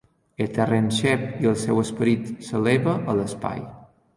Enterren Shep i el seu esperit s'eleva a l'espai.